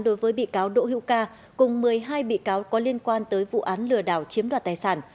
đối với bị cáo đỗ hữu ca cùng một mươi hai bị cáo có liên quan tới vụ án lừa đảo chiếm đoạt tài sản